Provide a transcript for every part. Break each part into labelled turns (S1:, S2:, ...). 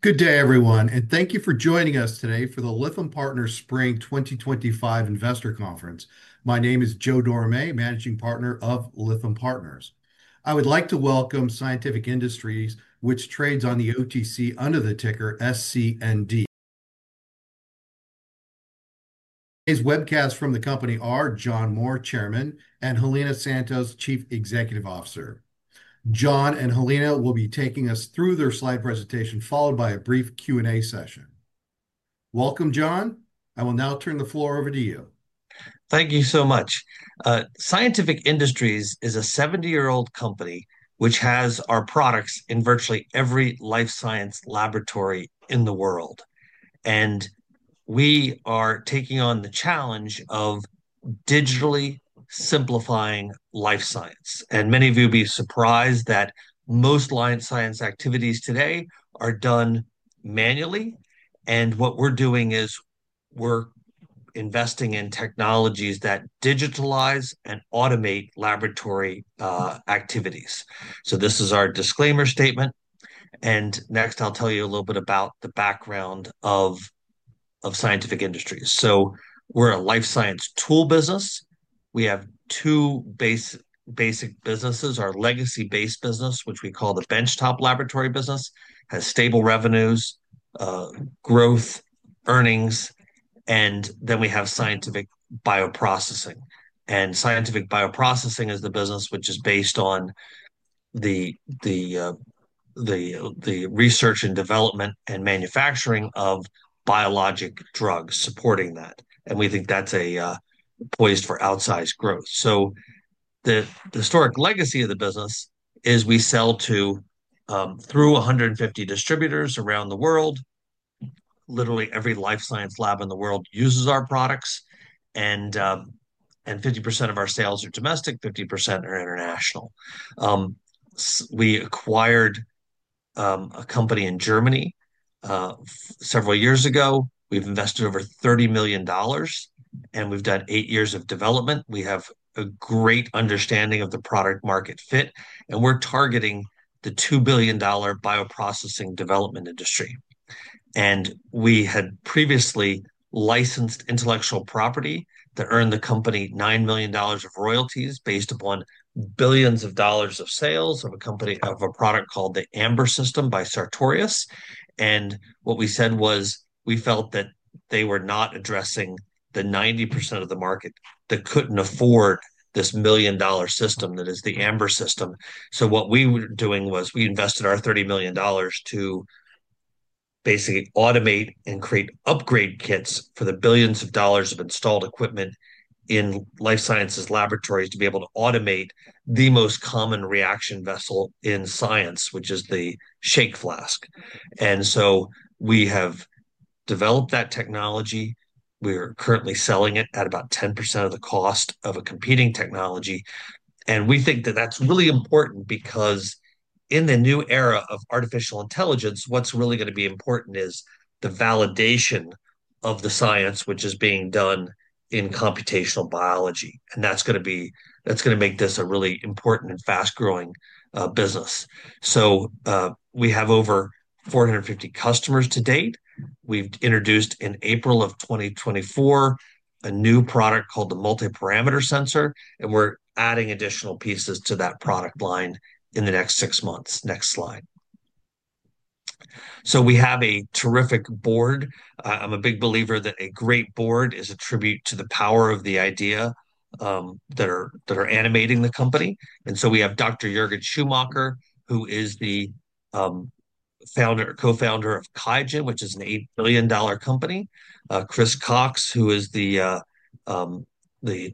S1: Good day, everyone, and thank you for joining us today for the Lithium Partners Spring 2025 Investor Conference. My name is Joe Dorame, Managing Partner of Lithium Partners. I would like to welcome Scientific Industries, which trades on the OTC under the ticker SCND. Today's webcast from the company are John Moore, Chairman, and Helena Santos, Chief Executive Officer. John and Helena will be taking us through their slide presentation, followed by a brief Q&A session. Welcome, John. I will now turn the floor over to you.
S2: Thank you so much. Scientific Industries is a 70-year-old company which has our products in virtually every life science laboratory in the world. We are taking on the challenge of digitally simplifying life science. Many of you will be surprised that most life science activities today are done manually. What we're doing is we're investing in technologies that digitalize and automate laboratory activities. This is our disclaimer statement. Next, I'll tell you a little bit about the background of Scientific Industries. We're a life science tool business. We have two basic businesses. Our legacy-based business, which we call the benchtop laboratory business, has stable revenues, growth, earnings, and then we have scientific bioprocessing. Scientific bioprocessing is the business which is based on the research and development and manufacturing of biologic drugs supporting that. We think that's poised for outsized growth. The historic legacy of the business is we sell through 150 distributors around the world. Literally, every life science lab in the world uses our products. 50% of our sales are domestic, 50% are international. We acquired a company in Germany several years ago. We have invested over $30 million, and we have done eight years of development. We have a great understanding of the product-market fit, and we are targeting the $2 billion bioprocessing development industry. We had previously licensed intellectual property that earned the company $9 million of royalties based upon billions of dollars of sales of a product called the Amber System by Sartorius. What we said was we felt that they were not addressing the 90% of the market that could not afford this million-dollar system that is the Amber System. What we were doing was we invested our $30 million to basically automate and create upgrade kits for the billions of dollars of installed equipment in life sciences laboratories to be able to automate the most common reaction vessel in science, which is the shake flask. We have developed that technology. We are currently selling it at about 10% of the cost of a competing technology. We think that that's really important because in the new era of artificial intelligence, what's really going to be important is the validation of the science which is being done in computational biology. That's going to make this a really important and fast-growing business. We have over 450 customers to date. We've introduced in April of 2024 a new product called the Multiparameter Sensor, and we're adding additional pieces to that product line in the next six months. Next slide. We have a terrific board. I'm a big believer that a great board is a tribute to the power of the idea that are animating the company. We have Dr. Jürgen Schumacher, who is the co-founder of QIAGEN, which is an $8 billion company. Chris Cox, who is the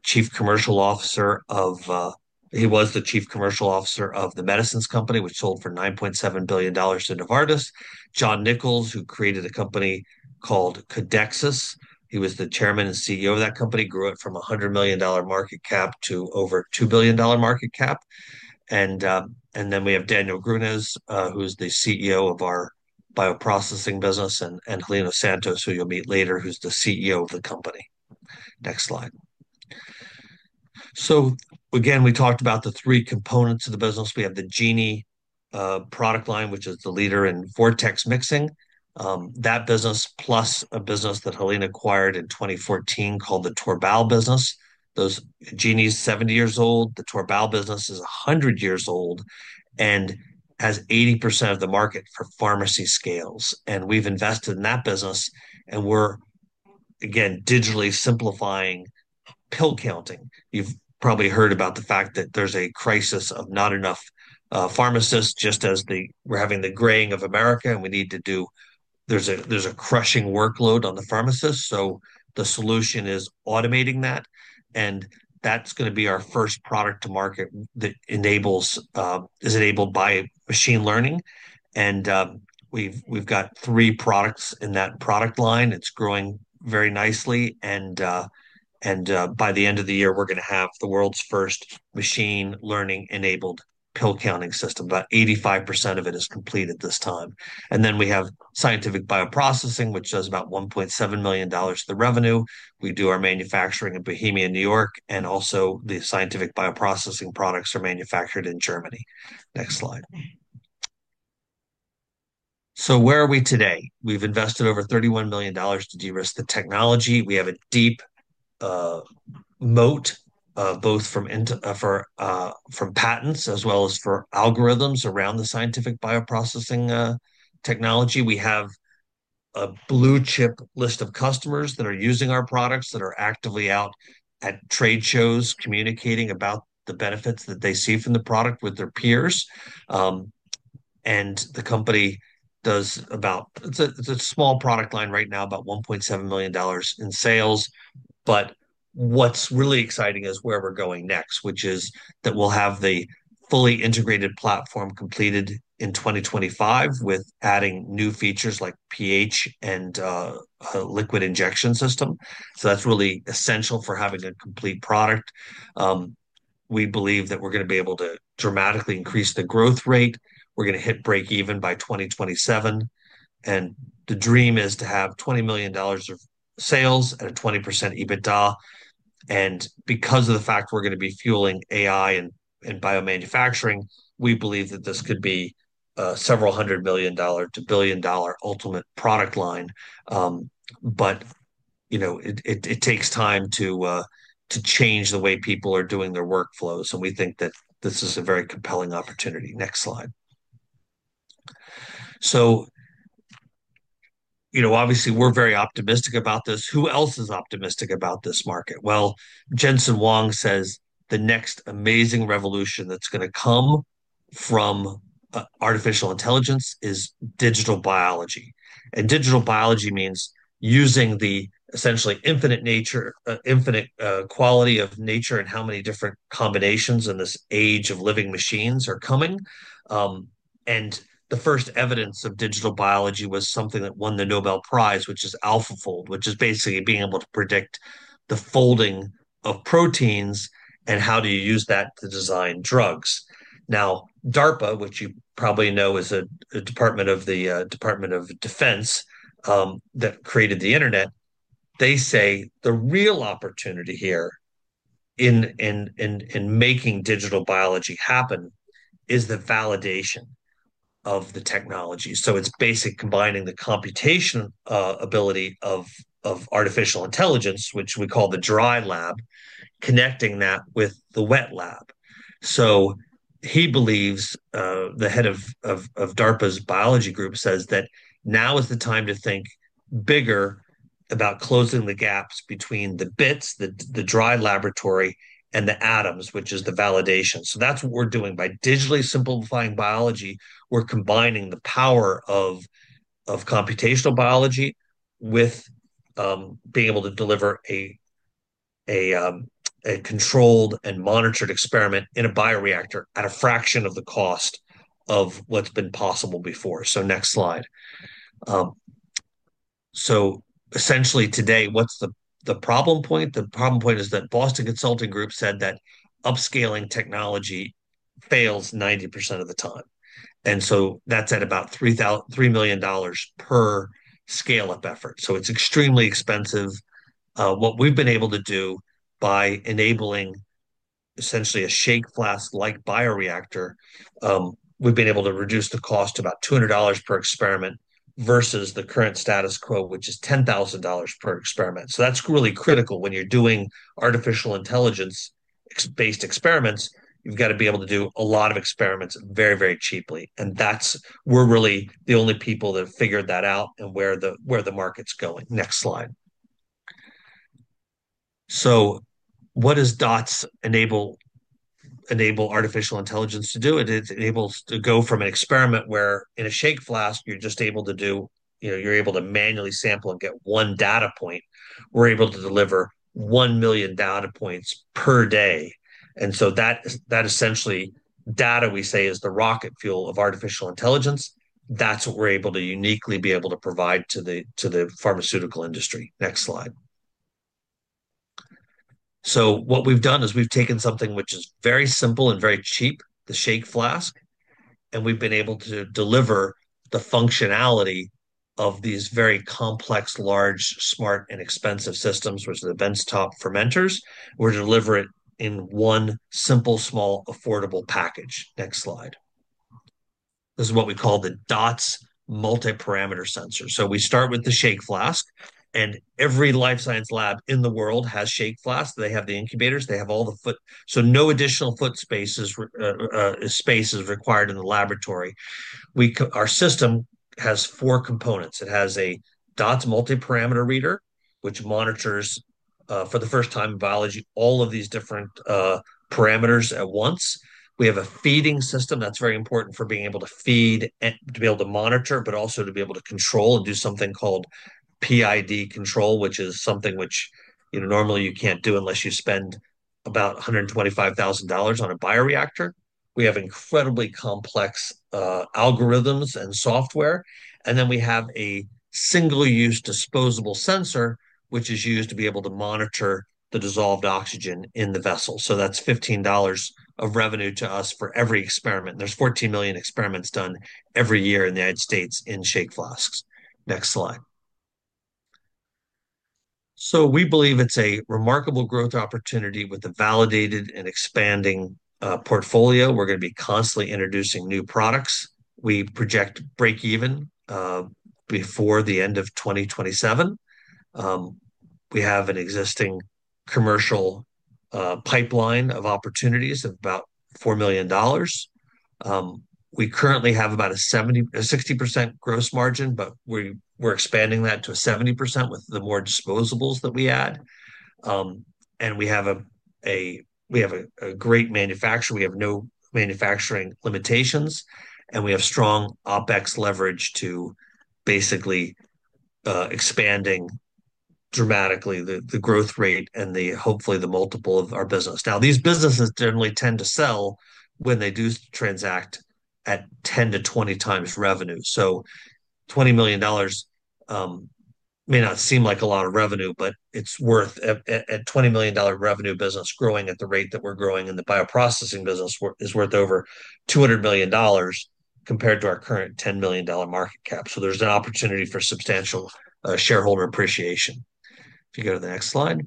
S2: Chief Commercial Officer of he was the Chief Commercial Officer of The Medicines Company, which sold for $9.7 billion to Novartis. John Nichols, who created a company called Codexis. He was the chairman and CEO of that company, grew it from a $100 million market cap to over $2 billion market cap. We have Daniel Greunes, who is the CEO of our bioprocessing business, and Helena Santos, who you'll meet later, who's the CEO of the company. Next slide. Again, we talked about the three components of the business. We have the Genie product line, which is the leader in vortex mixing. That business, plus a business that Helena acquired in 2014 called the Torbal business. Genie is 70 years old. The Torbal business is 100 years old and has 80% of the market for pharmacy scales. We've invested in that business, and we're, again, digitally simplifying pill counting. You've probably heard about the fact that there's a crisis of not enough pharmacists, just as we're having the graying of America, and we need to do there's a crushing workload on the pharmacists. The solution is automating that. That is going to be our first product to market that is enabled by machine learning. We have three products in that product line. It is growing very nicely. By the end of the year, we are going to have the world's first machine learning-enabled pill counting system. About 85% of it is completed at this time. We have Scientific Bioprocessing, which does about $1.7 million to the revenue. We do our manufacturing in Bohemia, New York, and also the Scientific Bioprocessing products are manufactured in Germany. Next slide. Where are we today? We have invested over $31 million to de-risk the technology. We have a deep moat both from patents as well as for algorithms around the Scientific Bioprocessing technology. We have a blue chip list of customers that are using our products that are actively out at trade shows communicating about the benefits that they see from the product with their peers. The company does about, it's a small product line right now, about $1.7 million in sales. What is really exciting is where we're going next, which is that we'll have the fully integrated platform completed in 2025 with adding new features like pH and liquid injection system. That is really essential for having a complete product. We believe that we're going to be able to dramatically increase the growth rate. We're going to hit break even by 2027. The dream is to have $20 million of sales at a 20% EBITDA. Because of the fact we're going to be fueling AI and biomanufacturing, we believe that this could be a several hundred million to billion-dollar ultimate product line. It takes time to change the way people are doing their workflows. We think that this is a very compelling opportunity. Next slide. Obviously, we're very optimistic about this. Who else is optimistic about this market? Jensen Huang says the next amazing revolution that's going to come from artificial intelligence is digital biology. Digital biology means using the essentially infinite quality of nature and how many different combinations in this age of living machines are coming. The first evidence of digital biology was something that won the Nobel Prize, which is AlphaFold, which is basically being able to predict the folding of proteins and how do you use that to design drugs. Now, DARPA, which you probably know is a department of the Department of Defense that created the internet, they say the real opportunity here in making digital biology happen is the validation of the technology. It is basically combining the computational ability of artificial intelligence, which we call the dry lab, connecting that with the wet lab. He believes, the head of DARPA's biology group says that now is the time to think bigger about closing the gaps between the bits, the dry laboratory, and the atoms, which is the validation. That is what we are doing. By digitally simplifying biology, we are combining the power of computational biology with being able to deliver a controlled and monitored experiment in a bioreactor at a fraction of the cost of what has been possible before. Next slide. Essentially today, what is the problem point? The problem point is that Boston Consulting Group said that upscaling technology fails 90% of the time. That's at about $3 million per scale-up effort. It's extremely expensive. What we've been able to do by enabling essentially a shake flask-like bioreactor, we've been able to reduce the cost to about $200 per experiment versus the current status quo, which is $10,000 per experiment. That's really critical when you're doing artificial intelligence-based experiments. You've got to be able to do a lot of experiments very, very cheaply. We're really the only people that have figured that out and where the market's going. Next slide. What does DOTS enable artificial intelligence to do? It enables to go from an experiment where in a shake flask, you're just able to do you're able to manually sample and get one data point. We're able to deliver 1 million data points per day. That essentially, data we say is the rocket fuel of artificial intelligence. That's what we're able to uniquely be able to provide to the pharmaceutical industry. Next slide. What we've done is we've taken something which is very simple and very cheap, the shake flask, and we've been able to deliver the functionality of these very complex, large, smart, and expensive systems, which are the benchtop fermenters. We're delivering it in one simple, small, affordable package. Next slide. This is what we call the DOTS multiparameter sensor. We start with the shake flask. Every life science lab in the world has shake flask. They have the incubators. They have all the foot. No additional foot space is required in the laboratory. Our system has four components. It has a DOTS multiparameter reader, which monitors for the first time in biology all of these different parameters at once. We have a feeding system that's very important for being able to feed and to be able to monitor, but also to be able to control and do something called PID control, which is something which normally you can't do unless you spend about $125,000 on a bioreactor. We have incredibly complex algorithms and software. And then we have a single-use disposable sensor, which is used to be able to monitor the dissolved oxygen in the vessel. So that's $15 of revenue to us for every experiment. There are 14 million experiments done every year in the United States in shake flasks. Next slide. We believe it's a remarkable growth opportunity with a validated and expanding portfolio. We're going to be constantly introducing new products. We project break even before the end of 2027. We have an existing commercial pipeline of opportunities of about $4 million. We currently have about a 60% gross margin, but we're expanding that to 70% with the more disposables that we add. We have a great manufacturer. We have no manufacturing limitations. We have strong OpEx leverage to basically expand dramatically the growth rate and hopefully the multiple of our business. Now, these businesses generally tend to sell when they do transact at 10-20 times revenue. $20 million may not seem like a lot of revenue, but it's worth at $20 million revenue business growing at the rate that we're growing in the bioprocessing business is worth over $200 million compared to our current $10 million market cap. There is an opportunity for substantial shareholder appreciation. If you go to the next slide.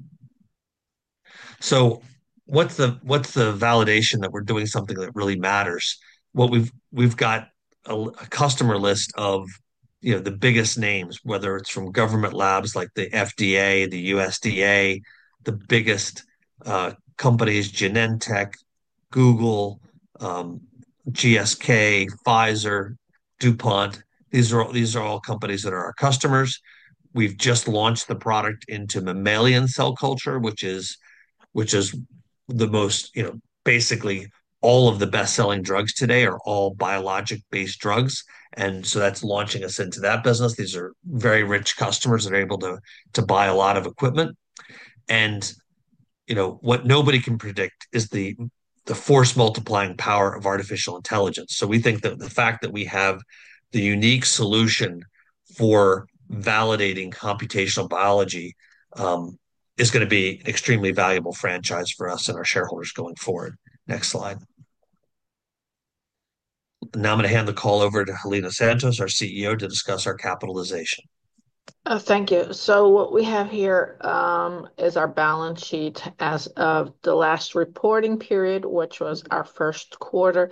S2: What's the validation that we're doing something that really matters? We've got a customer list of the biggest names, whether it's from government labs like the FDA, the USDA, the biggest companies, Genentech, Google, GSK, Pfizer, DuPont. These are all companies that are our customers. We've just launched the product into mammalian cell culture, which is the most, basically all of the best-selling drugs today are all biologic-based drugs. That is launching us into that business. These are very rich customers that are able to buy a lot of equipment. What nobody can predict is the force-multiplying power of artificial intelligence. We think that the fact that we have the unique solution for validating computational biology is going to be an extremely valuable franchise for us and our shareholders going forward. Next slide. Now I'm going to hand the call over to Helena Santos, our CEO, to discuss our capitalization.
S3: Thank you. What we have here is our balance sheet as of the last reporting period, which was our first quarter,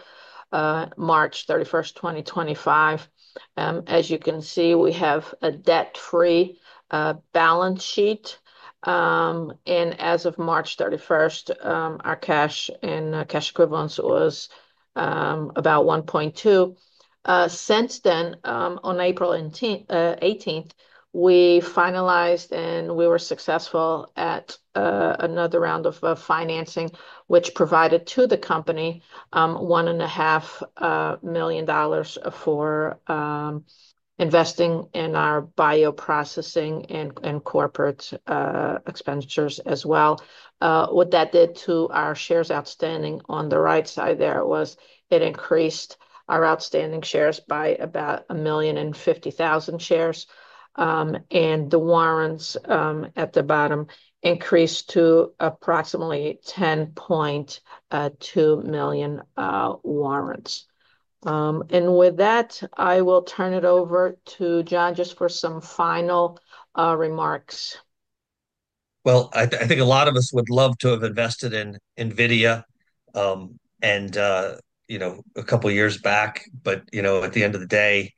S3: March 31st, 2025. As you can see, we have a debt-free balance sheet. As of March 31st, our cash and cash equivalents was about $1.2 million. Since then, on April 1818th, we finalized and we were successful at another round of financing, which provided to the company $1.5 million for investing in our bioprocessing and corporate expenditures as well. What that did to our shares outstanding on the right side there was it increased our outstanding shares by about 1,050,000 shares. The warrants at the bottom increased to approximately 10.2 million warrants. With that, I will turn it over to John just for some final remarks.
S2: I think a lot of us would love to have invested in NVIDIA a couple of years back. At the end of the day,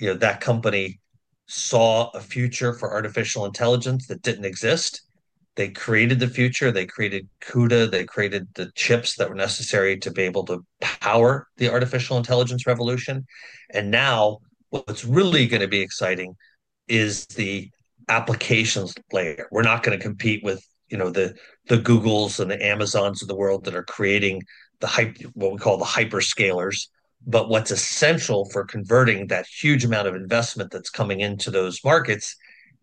S2: that company saw a future for artificial intelligence that did not exist. They created the future. They created CUDA. They created the chips that were necessary to be able to power the artificial intelligence revolution. Now what is really going to be exciting is the applications layer. We are not going to compete with the Googles and the Amazons of the world that are creating what we call the hyperscalers. What is essential for converting that huge amount of investment that is coming into those markets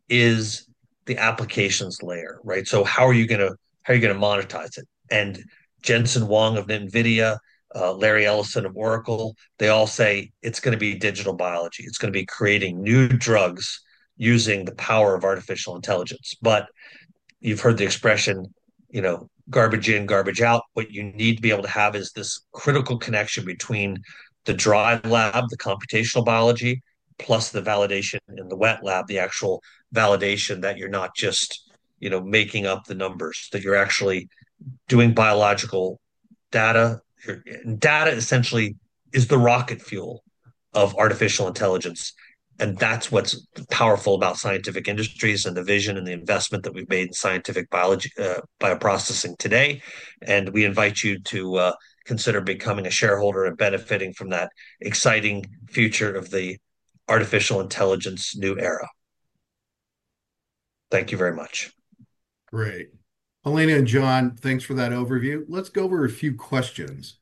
S2: is the applications layer, right? How are you going to monetize it? Jensen Huang of NVIDIA, Larry Ellison of Oracle, they all say it is going to be digital biology. It's going to be creating new drugs using the power of artificial intelligence. You have heard the expression, "Garbage in, garbage out." What you need to be able to have is this critical connection between the dry lab, the computational biology, plus the validation in the wet lab, the actual validation that you are not just making up the numbers, that you are actually doing biological data. Data essentially is the rocket fuel of artificial intelligence. That is what is powerful about Scientific Industries and the vision and the investment that we have made in Scientific Bioprocessing today. We invite you to consider becoming a shareholder and benefiting from that exciting future of the artificial intelligence new era. Thank you very much.
S1: Great. Helena and John, thanks for that overview. Let's go over a few questions.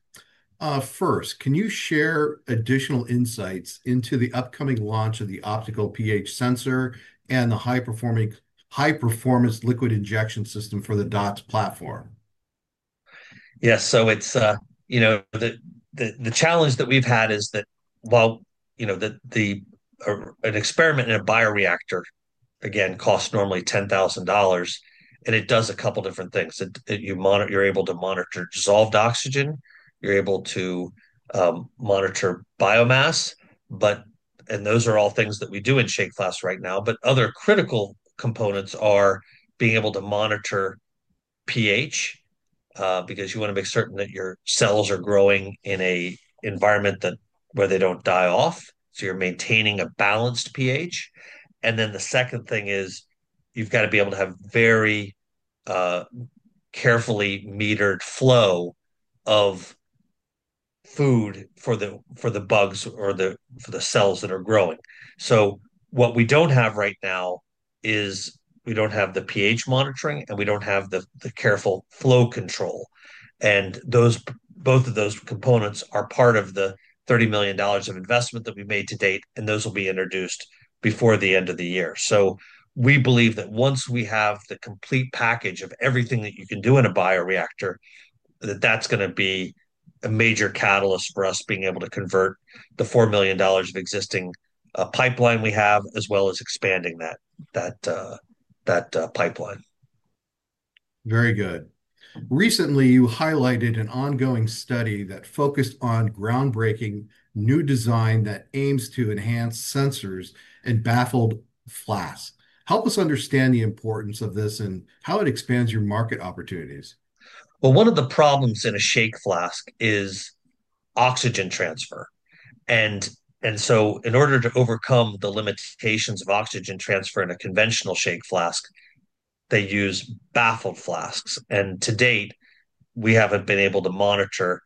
S1: First, can you share additional insights into the upcoming launch of the optical pH sensor and the high-performance liquid injection system for the DOTS PLATFORM?
S2: Yes. The challenge that we've had is that while an experiment in a bioreactor, again, costs normally $10,000, and it does a couple of different things. You're able to monitor dissolved oxygen. You're able to monitor biomass. Those are all things that we do in shake flask right now. Other critical components are being able to monitor pH because you want to make certain that your cells are growing in an environment where they don't die off. You are maintaining a balanced pH. The second thing is you've got to be able to have very carefully metered flow of food for the bugs or for the cells that are growing. What we do not have right now is we do not have the pH monitoring, and we do not have the careful flow control. Both of those components are part of the $30 million of investment that we have made to date, and those will be introduced before the end of the year. We believe that once we have the complete package of everything that you can do in a bioreactor, that is going to be a major catalyst for us being able to convert the $4 million of existing pipeline we have as well as expanding that pipeline.
S1: Very good. Recently, you highlighted an ongoing study that focused on groundbreaking new design that aims to enhance sensors and baffled flask. Help us understand the importance of this and how it expands your market opportunities.
S2: One of the problems in a shake flask is oxygen transfer. In order to overcome the limitations of oxygen transfer in a conventional shake flask, they use baffled flasks. To date, we have not been able to monitor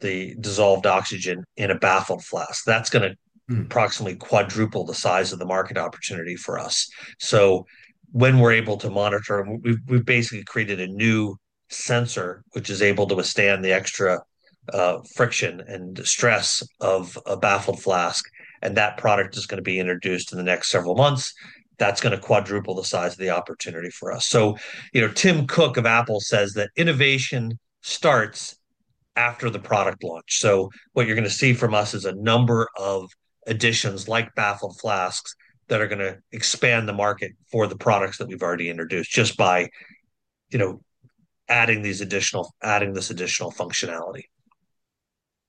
S2: the dissolved oxygen in a baffled flask. That is going to approximately quadruple the size of the market opportunity for us. When we are able to monitor, we have basically created a new sensor which is able to withstand the extra friction and stress of a baffled flask. That product is going to be introduced in the next several months. That is going to quadruple the size of the opportunity for us. Tim Cook of Apple says that innovation starts after the product launch. What you are going to see from us is a number of additions like baffled flasks that are going to expand the market for the products that we have already introduced just by adding this additional functionality.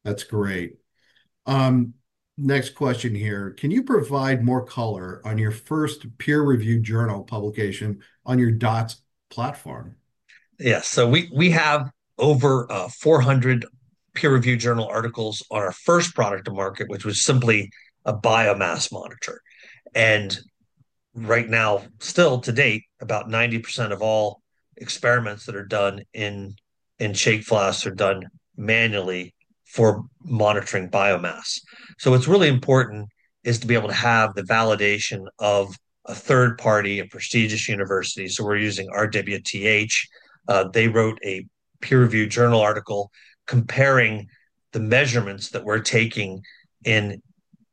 S1: That is great. Next question here. Can you provide more color on your first peer-reviewed journal publication on your DOTS PLATFORM?
S2: Yes. So we have over 400 peer-reviewed journal articles on our first product to market, which was simply a biomass monitor. Right now, still to date, about 90% of all experiments that are done in shake flasks are done manually for monitoring biomass. What's really important is to be able to have the validation of a third-party and prestigious university. We're using RWTH. They wrote a peer-reviewed journal article comparing the measurements that we're taking in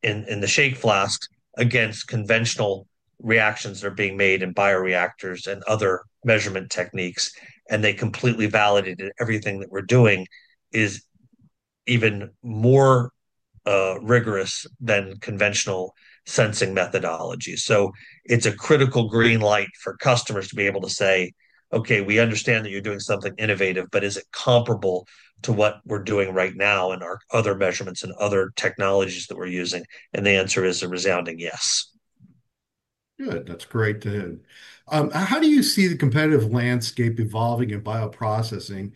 S2: the shake flask against conventional reactions that are being made in bioreactors and other measurement techniques. They completely validated everything that we're doing is even more rigorous than conventional sensing methodology. It is a critical green light for customers to be able to say, "Okay, we understand that you're doing something innovative, but is it comparable to what we're doing right now in our other measurements and other technologies that we're using?" The answer is a resounding yes. Good. That's great to hear. How do you see the competitive landscape evolving in bioprocessing,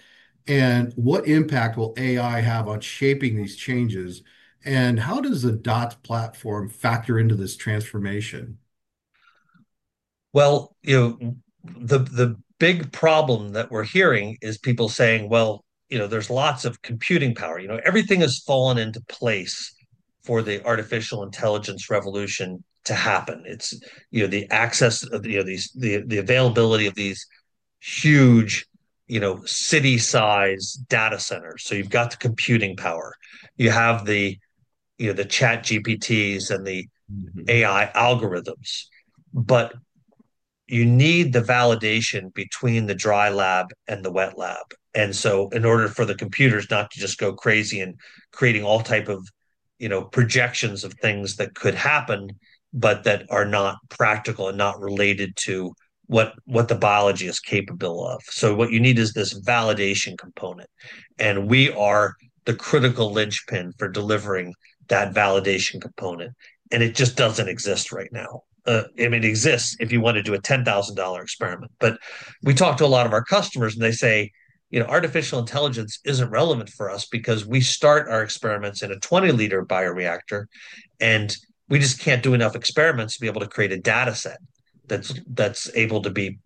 S2: and what impact will AI have on shaping these changes, and how does the DOTS PLATFORM factor into this transformation? The big problem that we're hearing is people saying, "Well, there's lots of computing power." Everything has fallen into place for the artificial intelligence revolution to happen. It's the access, the availability of these huge city-size data centers. You have the computing power. You have the ChatGPTs and the AI algorithms. You need the validation between the dry lab and the wet lab. In order for the computers not to just go crazy and creating all type of projections of things that could happen, but that are not practical and not related to what the biology is capable of. What you need is this validation component. We are the critical linchpin for delivering that validation component. It just doesn't exist right now. I mean, it exists if you want to do a $10,000 experiment. We talk to a lot of our customers, and they say, "Artificial intelligence isn't relevant for us because we start our experiments in a 20-liter bioreactor, and we just can't do enough experiments to be able to create a data set that's able to be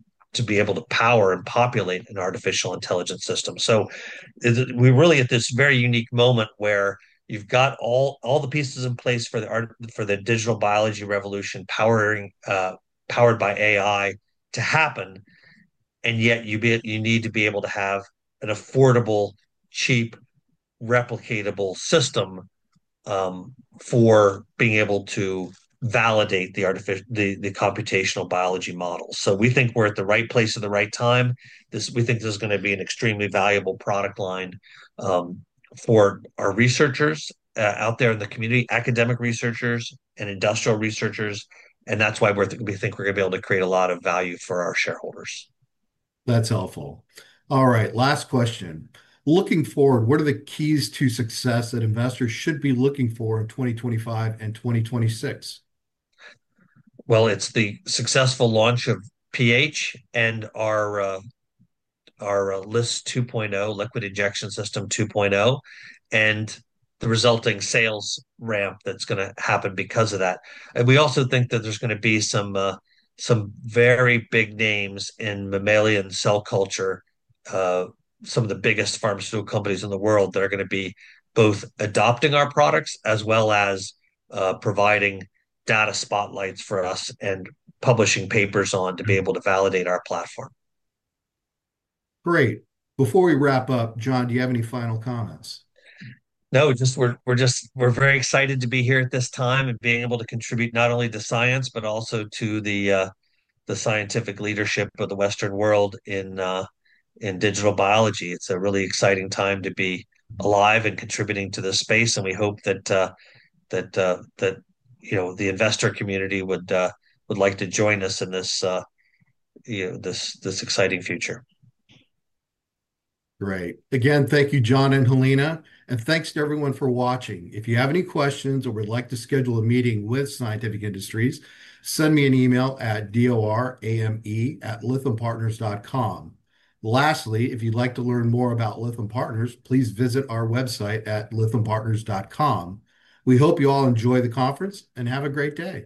S2: able to power and populate an artificial intelligence system." We are really at this very unique moment where you've got all the pieces in place for the digital biology revolution powered by AI to happen, and yet you need to be able to have an affordable, cheap, replicatable system for being able to validate the computational biology models. We think we're at the right place at the right time. We think this is going to be an extremely valuable product line for our researchers out there in the community, academic researchers, and industrial researchers. That is why we think we are going to be able to create a lot of value for our shareholders.
S1: That is helpful. All right. Last question. Looking forward, what are the keys to success that investors should be looking for in 2025 and 2026?
S2: It is the successful launch of pH and our LIST 2.0, liquid injection system 2.0, and the resulting sales ramp that is going to happen because of that. We also think that there are going to be some very big names in mammalian cell culture, some of the biggest pharmaceutical companies in the world that are going to be both adopting our products as well as providing data spotlights for us and publishing papers to be able to validate our platform.
S1: Great. Before we wrap up, John, do you have any final comments?
S2: No. We're very excited to be here at this time and being able to contribute not only to science, but also to the scientific leadership of the Western world in digital biology. It's a really exciting time to be alive and contributing to this space. We hope that the investor community would like to join us in this exciting future.
S1: Great. Again, thank you, John and Helena. Thanks to everyone for watching. If you have any questions or would like to schedule a meeting with Scientific Industries, send me an email at dorame@lithampartners.com. Lastly, if you'd like to learn more about Litham Partners, please visit our website at lithampartners.com. We hope you all enjoy the conference and have a great day.